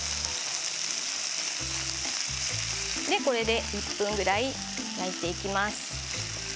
これで１分ぐらい焼いていきます。